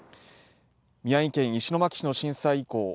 宮城県石巻市の震災遺構